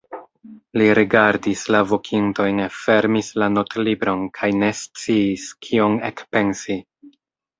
Li rigardis la vokintojn, fermis la notlibron kaj ne sciis, kion ekpensi.